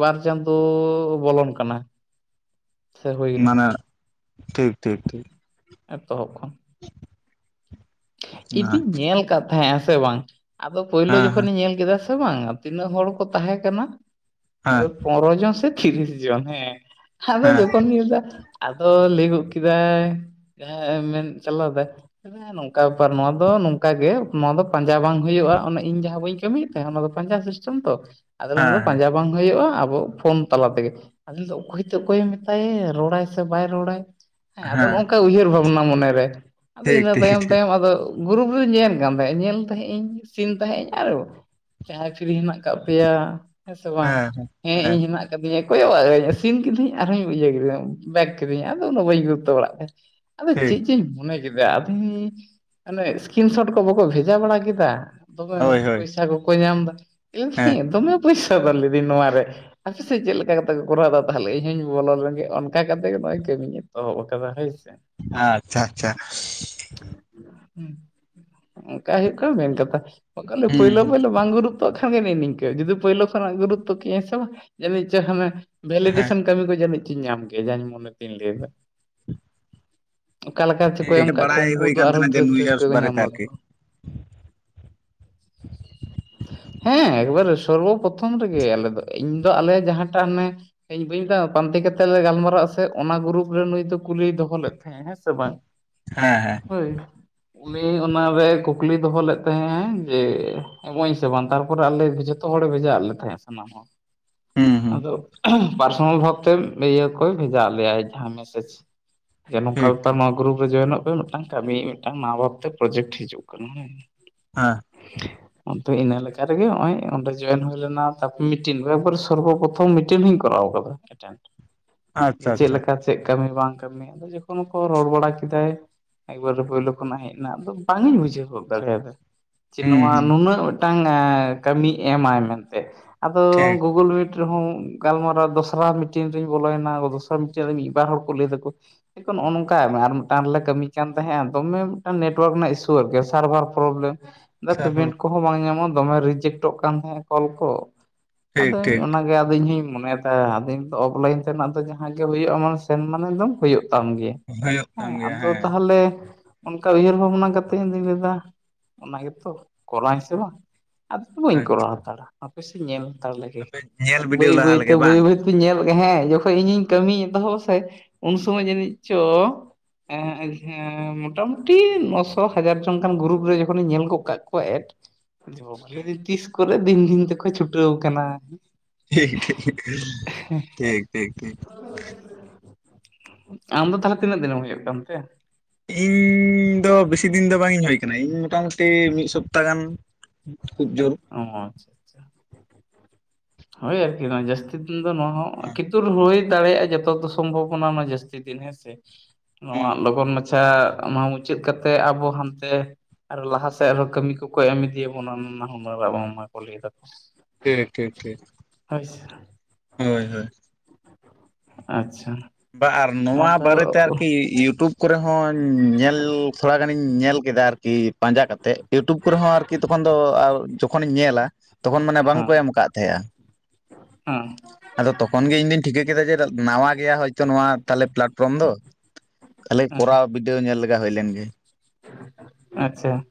ᱵᱟᱨ ᱪᱟᱸᱫᱚᱻ ᱵᱚᱞᱚᱱ ᱠᱟᱱᱟ ᱥᱮ ᱦᱩᱭᱱᱟ ᱢᱟᱱᱮ ᱴᱷᱤᱠ ᱴᱷᱤᱠ ᱴᱷᱤᱠ ᱮᱛᱚᱦᱚᱵ ᱠᱷᱚᱱ ᱤᱫᱩᱧ ᱧᱮᱞ ᱟᱠᱟᱫ ᱛᱟᱦᱮᱸᱜ ᱦᱮᱸᱥᱮ ᱵᱟᱝ ᱟᱫᱚ ᱯᱳᱭᱞᱳ ᱦᱮᱸ ᱦᱮᱸ ᱡᱚᱠᱷᱚᱱᱤᱧ ᱧᱮᱞ ᱠᱮᱫᱟ ᱥᱮ ᱵᱟᱝᱟ ᱛᱤᱱᱟᱹᱜ ᱦᱚᱲ ᱠᱚ ᱛᱟᱦᱮᱸ ᱠᱟᱱᱟ ᱦᱮᱸ ᱯᱚᱱᱚᱨᱚ ᱡᱚᱱ ᱥᱮ ᱛᱤᱨᱤᱥ ᱡᱚᱱ ᱦᱮᱸ ᱟᱫᱚ ᱦᱮᱸ ᱡᱠᱷᱚᱱ ᱜᱤ ᱞᱮᱫᱟ ᱟᱫᱚ ᱞᱟᱹᱭ ᱜᱚᱫ ᱠᱮᱫᱟᱭ ᱡᱟᱦᱟᱸ ᱢᱮᱱ ᱪᱟᱞᱟᱣ ᱫᱟᱭ ᱱᱚᱠᱟ ᱠᱟ ᱵᱮᱯᱟᱨ ᱱᱚᱣᱟ ᱫᱚ ᱱᱚᱝᱠᱟ ᱜᱮ ᱱᱚᱣᱟ ᱫᱚ ᱯᱟᱸᱡᱟ ᱵᱟᱝ ᱦᱩᱭᱩᱜᱼᱟ ᱤᱧ ᱡᱟᱦᱟᱸ ᱵᱟᱹᱧ ᱠᱟᱹᱢᱤᱭᱮᱫ ᱛᱟᱦᱮᱸ ᱚᱱᱟ ᱫᱚ ᱯᱟᱸᱡᱟ ᱥᱤᱥᱴ ᱛᱚ ᱟᱫᱚ ᱱᱚᱣᱟ ᱦᱮᱸ ᱫᱚ ᱦᱮᱸ ᱯᱟᱸᱡᱟ ᱵᱟᱝ ᱦᱩᱭᱩᱜᱼᱟ ᱟᱵᱚ ᱯᱷᱳᱱ ᱛᱟᱞᱟ ᱛᱮᱜᱮ ᱫᱚᱧ ᱫᱟ ᱚᱠᱚᱭᱛᱮ ᱚᱠᱚᱭᱮ ᱢᱮᱛᱟᱭᱟᱭᱟ ᱨᱚᱲᱟᱭ ᱥᱮ ᱵᱟᱭ ᱨᱚᱲᱟᱭ ᱦᱮᱸ ᱟᱫᱚ ᱱᱚᱝᱠᱟ ᱩᱭᱦᱟᱹᱨ ᱵᱷᱟᱵᱱᱟ ᱢᱚᱱᱮᱨᱮ ᱟᱫᱚ ᱴᱷᱤᱠ ᱤᱱᱟᱹ ᱴᱷᱤᱠ ᱛᱟᱭᱚᱢ ᱴᱷᱤᱠ ᱛᱟᱭᱚᱢ ᱟᱫᱚ ᱜᱩᱨᱩᱯ ᱨᱤ ᱧᱮᱞ ᱠᱟᱱ ᱛᱟᱦᱮᱸᱝ ᱧᱮᱞ ᱛᱟᱦᱮ ᱤᱧ ᱥᱤᱱ ᱛᱟᱦᱮᱸᱫᱤᱧ ᱟᱨ ᱡᱟᱦᱟᱸᱭ ᱯᱷᱨᱤ ᱦᱮᱱᱟᱜ ᱟᱠᱟᱫ ᱯᱮᱭᱟ ᱦᱮᱸ ᱥᱮ ᱵᱟᱝ ᱦᱮᱸ ᱤᱧ ᱦᱮᱱᱟᱜ ᱫᱤᱟ ᱠᱚᱭᱚᱜᱟ ᱤᱧ ᱥᱱ ᱠᱤᱫᱟᱹᱧ ᱟᱨᱦᱚᱸᱧ ᱤᱭᱟᱹ ᱠᱮᱫᱟ ᱵᱮᱠ ᱠᱤᱫᱟᱹᱧ ᱟᱫᱚ ᱩᱱᱟᱜ ᱵᱟᱹᱧ ᱜᱩᱨᱩᱛᱚ ᱵᱲᱟᱜ ᱛᱟᱦᱮᱸᱟ [inaudible] ᱟᱫᱚ ᱪᱮᱫ ᱡᱤᱧ ᱢᱚᱱᱮ ᱠᱮᱫᱟ ᱟᱫᱚ ᱚᱱᱮ ᱥᱠᱤᱱ ᱥᱚᱴ ᱠᱚ ᱵᱟᱠᱚ ᱵᱷᱮᱡᱟ ᱵᱟᱲᱟ ᱠᱮᱫᱟ ᱫᱚᱢᱮ ᱦᱳᱭ ᱦᱳᱭ ᱯᱚᱭᱥᱟ ᱠᱚᱠᱚ ᱧᱟᱢ ᱦᱮᱸ [unintelligible] ᱫᱚᱢᱮ ᱯᱚᱭᱥᱟ ᱫ ᱞᱟᱹᱭᱫᱤᱧ ᱱᱚᱣᱟ ᱨᱮ ᱦᱯᱮᱥᱮ ᱪᱮᱫ ᱞᱮᱠᱟ ᱠᱟᱛᱮ ᱠᱚ ᱠᱚᱨᱟᱣ ᱮᱫᱟ ᱛᱟᱦᱚᱞᱮ ᱤᱧ ᱦᱚᱧ ᱵᱚᱞᱚ ᱞᱮᱱᱜᱮ ᱚᱱᱠᱟ ᱠᱟᱛᱮ ᱜᱮ ᱱᱚᱜᱼᱚᱭ ᱠᱟᱹᱢᱤᱧ ᱮᱛᱚᱦᱚᱵ ᱟᱠᱟᱫᱟ ᱦᱳᱭ ᱥᱮ ᱟᱪᱪᱷᱟ ᱟᱪᱪᱷᱟ ᱚᱱᱠᱟ ᱦᱩᱭᱩᱜ ᱠᱟᱱᱟ ᱢᱮᱱ ᱠᱟᱛᱷᱟ ᱵᱟᱝ ᱠᱦᱟᱱ ᱫᱚ ᱦᱩᱸ ᱯᱳᱭᱞᱳ ᱦᱩᱸ ᱯᱳᱭᱞᱳ ᱵᱟᱝ ᱜᱩᱨᱩ ᱛᱚᱜ ᱠᱷᱟᱱᱜᱮ ᱱᱤ ᱱᱤᱝᱠᱟᱹ ᱡᱩᱫᱤ ᱯᱳᱭᱞᱳ ᱠᱷᱚᱱᱟᱜ ᱜᱩᱨᱩᱛᱚ ᱠᱤᱭᱟᱹᱧ ᱥᱮ ᱵᱟᱝ ᱡᱟᱹᱱᱤᱡ ᱪᱚ ᱦᱟᱱᱮ ᱦᱮᱸ ᱵᱷᱮᱞᱤᱰᱮᱥᱚᱱ ᱠᱟᱹᱢᱤ ᱠᱚ ᱡᱟᱹᱱᱤᱡ ᱪᱚᱧ ᱧᱟᱢ ᱠᱮᱭᱟ ᱡᱟᱧ ᱢᱚᱱᱮ ᱛᱤᱧ ᱞᱟᱹᱭᱫᱟ ᱚᱠᱟ ᱞᱮᱠᱟ ᱪᱠᱚ ᱴᱷᱤᱠ ᱮᱢ ᱠᱫ ᱠᱚᱣᱟ ᱵᱟᱲᱟᱭ ᱩᱱᱠᱩ ᱦᱩᱭ ᱫᱚ ᱠᱟᱱ ᱛᱟᱦᱮᱱᱟ ᱟᱨᱦᱚᱸ ᱡᱮ ᱫᱷᱟᱹᱨ ᱱᱩᱭ ᱫᱷᱟᱹᱨ ᱦᱚ ᱩᱥ ᱠᱚ ᱧᱟᱢ ᱵᱟᱨᱮᱛᱮ ᱟᱨᱠᱤ ᱫᱟᱠᱚ [unintelligible] ᱦᱮᱸ ᱮᱠᱵᱟᱨ ᱥᱚᱨᱵᱚ ᱯᱨᱚᱛᱷᱚᱢ ᱨᱮᱜᱮ ᱟᱞᱮ ᱫᱚ ᱤᱧ ᱫᱚ ᱟᱞᱮ ᱡᱟᱸᱦᱟᱴᱟᱜ ᱚᱱᱮ, ᱤᱧ ᱵᱟᱹᱧ ᱢᱮᱛᱢ ᱯᱟᱱᱛᱮ ᱠᱟᱛᱮᱫ ᱞᱮ ᱜᱟᱞᱢᱟᱨᱟᱜ ᱟ ᱥᱮ ᱚᱱᱟ ᱜᱩᱨᱩᱯ ᱨᱮ ᱱᱩᱭ ᱫᱚ ᱠᱩᱞᱤᱭ ᱫᱚᱦᱚ ᱞᱮᱫ ᱛᱟᱸᱦᱮᱜ ᱦᱮᱸ ᱥᱮ ᱵᱟᱝ, ᱦᱮᱸ ᱦᱮᱸ ᱦᱳᱭ, ᱩᱱᱤ ᱚᱱᱟᱨᱮ ᱠᱩᱠᱞᱤ ᱫᱚᱦᱚ ᱞᱮᱫ ᱛᱟᱦᱮᱸᱜ ᱡᱮ ᱮᱢᱚᱜ ᱟᱹᱧ ᱥᱮ ᱵᱟᱝ ᱛᱟᱨᱯᱚᱨᱮ ᱟᱞᱮ ᱡᱚᱛ, ᱡᱚᱛᱚ ᱦᱚᱲᱮ ᱵᱷᱮᱡᱟ ᱞᱮ ᱛᱟᱦᱮᱸᱫ ᱥᱟᱱᱟᱢ ᱦᱚᱲ, ᱦᱩᱸ ᱦᱩᱸ ᱟᱫᱚ ᱯᱟᱨᱥᱚᱱᱟᱞ ᱵᱷᱟᱵᱛᱮ ᱤᱭᱟᱹ ᱠᱚᱭ ᱵᱷᱮᱡᱟ ᱞᱮᱭᱟᱭ ᱡᱟᱸᱦᱟ ᱢᱮᱥᱮᱡᱽ, ᱦᱮ ᱱᱚᱝᱠᱟ ᱴᱷᱤᱠ ᱵᱮᱯᱟᱨ ᱴᱷᱤᱠ ᱢᱟ ᱜᱨᱩᱯ ᱨᱮ ᱡᱚᱭᱮᱱᱚᱜ ᱯᱮ, ᱴᱟᱝ ᱠᱟᱹᱢᱤ ᱢᱤᱫᱴᱟᱝ ᱱᱟᱣᱟ ᱵᱷᱟᱵᱛᱮ ᱯᱨᱚᱡᱮᱠᱴ ᱦᱤᱡᱩᱜ ᱠᱟᱱᱟ᱾ ᱦᱮᱸ ᱚᱱᱛᱚ ᱤᱱᱟᱹᱞᱮᱠᱟ ᱨᱮᱜᱮ ᱱᱚᱜ ᱚᱭ ᱚᱸᱰᱮ ᱡᱚᱭᱮᱱ ᱦᱩᱭᱞᱮᱱᱟ ᱛᱟᱨᱯᱚ ᱢᱤᱴᱤᱱ ᱨᱮ ᱟᱵᱟᱨ ᱥᱚᱨᱵᱚ ᱯᱨᱚᱛᱷᱚᱢ ᱢᱤᱴᱤᱱ ᱦᱚᱧ ᱠᱚᱨᱟᱣ ᱟᱠᱟᱫᱟ᱾ ᱟᱪᱪᱷᱟ ᱡᱮ ᱪᱮᱫ ᱟᱪᱪᱷᱟ ᱞᱮᱠᱟ ᱪᱮᱫ ᱠᱟᱹᱢᱤ ᱵᱟᱝ ᱠᱟᱹᱢᱤ, ᱟᱫᱚ ᱡᱚᱠᱷᱚᱱ ᱠᱚ ᱨᱚᱲ ᱵᱟᱲᱟ ᱠᱮᱫᱟᱭ, ᱮᱠᱵᱟᱨᱮ ᱯᱳᱭᱞᱳ ᱠᱷᱚᱱᱟᱜ ᱦᱮᱡ ᱮᱱᱟ ᱫᱚ ᱵᱟᱝ ᱤᱧ ᱵᱩᱡᱷᱟᱹᱣ ᱦᱚᱫ ᱫᱟᱲᱮᱭᱟᱫᱟ ᱡᱮ ᱦᱩᱸ ᱱᱚᱣᱟ ᱦᱩᱸ ᱱᱩᱱᱟᱹᱜ, ᱢᱤᱫᱴᱟᱝ ᱠᱟᱹᱢᱤᱭ ᱮᱢᱟᱭ ᱢᱮᱱᱛᱮ ᱟᱫᱚ ᱴᱷᱤᱠ ᱜᱩᱜᱩᱞ ᱢᱤᱴ, ᱨᱮᱸᱦᱚ ᱜᱟᱞᱢᱟᱨᱟᱣ ᱫᱚᱥᱨᱟ ᱢᱤᱴᱤᱱ ᱨᱤᱧ ᱵᱚᱞᱚᱭᱮᱱᱟ ᱫᱚᱥᱨᱟ ᱢᱤᱴᱤᱱ ᱨᱮ ᱢᱤᱫ ᱵᱟᱨ ᱦᱚᱲ ᱠᱚ ᱞᱟᱹᱭ ᱫᱟᱠᱚ᱾ ᱱᱚᱜ ᱱᱚᱝᱠᱟᱭ ᱢᱮ ᱟᱨ ᱢᱤᱫᱴᱟᱝ ᱨᱮᱞᱮ ᱠᱟᱹᱢᱤ, ᱠᱟᱱ ᱛᱟᱸᱦᱮᱜ-ᱟ, ᱫᱚᱢᱮ ᱢᱤᱫᱴᱟᱝ ᱱᱮᱴᱣᱟᱨᱠ ᱨᱮᱱᱟᱜ ᱤᱥᱩ ᱟᱨᱠᱤ ᱥᱟᱨᱵᱷᱟᱨ ᱯᱨᱚᱵᱞᱮᱢ ᱯᱮᱢᱮᱴ ᱥᱟᱨᱦᱟᱣ ᱠᱚ, ᱵᱟᱝ ᱧᱟᱢᱚᱜ ᱫᱚᱢᱮ ᱨᱤᱡᱮᱠᱴᱚᱜ ᱠᱟᱱ ᱛᱟᱸᱦᱮᱱᱟ ᱠᱚᱞ ᱠᱚ, ᱴᱷᱤᱠ ᱟᱫᱚ ᱴᱷᱤᱠ ᱚᱱᱟᱜᱮ ᱟᱫᱚ ᱤᱧ ᱦᱚᱧ ᱢᱚᱱᱮᱭ, ᱦᱮᱸ ᱟᱫᱚ ᱤᱧᱛᱚ ᱚᱯᱞᱟᱭᱤᱱ ᱛᱮᱱᱟᱜ ᱫᱚ ᱡᱟᱸᱦᱟ ᱜᱮ ᱦᱩᱭᱩᱜ-ᱟ, ᱢᱟᱱᱮ ᱥᱮᱱ ᱢᱟᱱᱮ ᱫᱚᱢ ᱦᱩᱭᱩᱜ ᱛᱟᱢ ᱜᱮ, ᱦᱩᱭᱩᱜ ᱦᱮᱸ ᱠᱟᱱ ᱜᱮᱭᱟ ᱟᱫᱚ ᱦᱮᱸ ᱛᱟᱸᱦᱞᱮ ᱚᱱᱠᱟ ᱩᱭᱦᱟᱹᱨ ᱵᱷᱟᱵᱽᱱᱟ ᱠᱟᱛᱮ ᱤᱧ ᱫᱩᱧ ᱞᱟᱹᱭᱫᱟ, ᱚᱱᱟ ᱜᱮᱛᱚ ᱠᱚᱨᱟᱣ ᱤᱧ ᱥᱮ ᱵᱟᱝ ᱟᱫᱚ ᱵᱟᱹᱧ ᱟᱪᱪᱷᱟ ᱠᱚᱨᱟᱣ ᱦᱟᱛᱟᱲᱟ ᱦᱟᱯᱮᱥᱮᱧ ᱧᱮᱞ, ᱛᱟᱲ ᱞᱮᱜᱮ ᱟᱯᱮ ᱧᱮᱞ ᱵᱤᱰᱟᱹᱣ ᱵᱟᱹᱭ ᱞᱟᱦᱟ ᱵᱟᱹᱭᱛᱮ ᱞᱮᱜᱮ ᱵᱟᱹᱭ ᱵᱟᱝ ᱵᱟᱹᱭ, ᱤᱞ ᱧᱮᱞ ᱞᱮᱜᱮᱦᱮᱸ ᱡᱚᱠᱷᱚᱡ ᱤᱧᱤᱧ ᱠᱟᱹᱢᱤᱧ ᱮᱛᱚᱦᱚᱵ ᱥᱮ ᱩᱱ ᱥᱚᱢᱚᱭ ᱡᱟᱹᱱᱤᱡ ᱪᱚ, [unintelligible] ᱦᱮᱸ ᱢᱳᱴᱟ ᱢᱩᱴᱤ ᱱᱚᱥᱚ ᱦᱟᱡᱟᱨ ᱡᱚᱱ ᱜᱟᱱ ᱜᱨᱩᱨᱩᱯ ᱨᱮ ᱡᱚᱠᱷᱚᱱᱤᱧ ᱧᱮᱞ ᱜᱚᱜ ᱠᱟᱜ ᱠᱚᱣᱟ ᱮᱰ, [inaudible] ᱛᱤᱥ ᱠᱚᱨᱮ ᱫᱤᱱ ᱫᱤᱱ ᱛᱮᱠᱚ ᱪᱷᱩᱴᱟᱹᱣ ᱠᱟᱱᱟ, ᱴᱷᱤᱠ ᱴᱷᱤᱠ ᱴᱷᱤᱠ ᱴᱷᱤᱠ ᱴᱷᱤᱠ, ᱟᱢ ᱫᱚ ᱛᱟᱦᱚᱞᱮ ᱛᱤᱱᱟᱹᱜ ᱫᱤᱱᱮᱢ ᱦᱩᱭᱩᱜ ᱠᱟᱱᱛᱮ, ᱤᱧ ᱫᱚ ᱵᱮᱥᱤ ᱫᱤᱱ ᱫᱚ ᱵᱟᱝ ᱤᱧ ᱦᱩᱭ, ᱠᱟᱱᱟ ᱤᱧ ᱢᱚᱴᱟ ᱢᱩᱴᱤ ᱢᱤᱫ ᱥᱚᱯᱛᱟ ᱜᱟᱱ ᱠᱷᱩᱵ ᱡᱳᱨ, ᱚ ᱟᱪᱪᱷᱟ ᱟᱪᱪᱷᱟ, ᱦᱳᱭ ᱟᱨᱠᱤ ᱡᱟᱹᱥᱛᱤ ᱫᱤᱱ ᱫᱚ ᱱᱚᱣᱟ ᱦᱚᱸ ᱦᱮᱸ ᱠᱤᱛᱩᱨ ᱦᱩᱭ ᱫᱟᱲᱮᱭᱟᱜ-ᱟ ᱡᱚᱛᱚ ᱫᱚ, ᱥᱚᱢᱵᱷᱚᱵᱚᱱᱟ ᱢᱟ ᱡᱟᱹᱥᱛᱤ ᱫᱤᱱ ᱦᱮᱸ ᱥᱮ, ᱱᱚᱣᱟ ᱦᱮᱸ ᱦᱮᱸ, ᱞᱚᱜᱚᱱ ᱢᱟᱪᱷᱟ ᱱᱚᱣᱟ ᱢᱩᱪᱟᱹᱫ ᱠᱟᱛᱮ ᱟᱵᱚ ᱦᱟᱱᱛᱮ, ᱟᱨ ᱦᱚ ᱞᱟᱦᱟ ᱥᱮᱫ ᱟᱨᱦᱚᱸ ᱠᱟᱹᱢᱤ ᱠᱚᱠᱚ ᱮᱢ ᱤᱫᱤᱭᱟᱵᱚᱱᱟ ᱱᱟᱱᱟ ᱦᱩᱱᱟᱹᱨ ᱟᱜ ᱵᱟᱝ ᱢᱟᱠᱚ ᱞᱟᱹᱭ ᱫᱟᱠᱚ, ᱴᱷᱤᱠ ᱴᱷᱤᱠ ᱴᱷᱤᱠ, ᱦᱳᱭ ᱥᱮ, ᱦᱳᱭ ᱦᱳᱭ, ᱟᱪᱪᱷᱟ, ᱵᱟ ᱟᱨ ᱢᱟ ᱱᱚᱣᱟ ᱛᱟᱦᱚᱞᱮ ᱵᱟᱨᱮᱛᱮ ᱟᱨᱠᱤ ᱤᱭᱩᱴᱩᱵᱽ, ᱠᱚᱨᱮ ᱦᱚᱸ ᱧᱮᱞ ᱛᱷᱚᱲᱟ ᱜᱟᱱᱤᱧ ᱧᱮᱞ ᱠᱮᱫᱟ ᱟᱨᱠᱤ ᱯᱟᱸᱡᱟ ᱠᱟᱛᱮ ᱤᱭᱩᱴᱩᱵᱽ ᱠᱚᱨᱮ ᱦᱚᱸ ᱟᱨ ᱠᱤ ᱛᱚᱠᱷᱚᱱ ᱫᱚ ᱡᱚᱠᱷᱚᱱᱤᱧ ᱧᱮᱞᱟ ᱛᱚᱠᱷᱚᱱ ᱢᱟᱱᱮ ᱵᱟᱝᱠᱚ ᱦᱮᱸ ᱮᱢ ᱠᱟᱜ ᱛᱟᱦᱮᱜ-ᱟ᱾ ᱦᱮᱸ ᱟᱫᱚ ᱛᱚᱠᱷᱚᱱ ᱜᱮ ᱤᱧᱫᱩᱧ ᱴᱷᱤᱠᱟᱹ ᱠᱮᱫᱟ ᱡᱮ ᱱᱟᱣᱟ ᱜᱮᱭᱟ, ᱛᱚ ᱱᱚᱣᱟ ᱛᱟᱦᱞᱮ ᱯᱞᱟᱴᱯᱷᱨᱚᱢ ᱫᱚ ᱛᱟᱦᱞᱮ ᱦᱮᱸ ᱠᱚᱨᱟᱣ ᱵᱤᱰᱟᱹᱭ ᱧᱮᱞ ᱞᱮᱜᱟ ᱦᱩᱭ ᱞᱮᱱ ᱜᱮ, ᱟᱪᱪᱷᱟ,